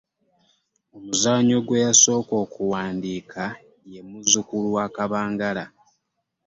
Omuzannyo gwe yasooka okuwandiika ye “Muzzukulu wa Kabangala”.